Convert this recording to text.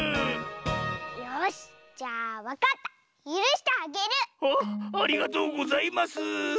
ありがとうございます！